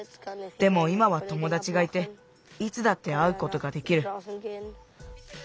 でもいまはともだちがいていつだってあうことができる。